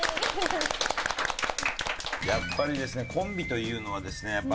やっぱりですねコンビというのはですね